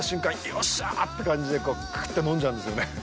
よっしゃーって感じでクーっと飲んじゃうんですよね。